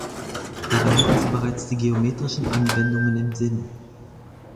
Dabei hatten sie bereits die geometrischen Anwendungen im Sinn.